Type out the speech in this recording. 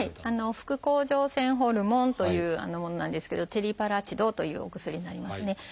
「副甲状腺ホルモン」というものなんですけど「テリパラチド」というお薬になりますね。